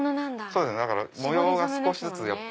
そうですね模様が少しずつ。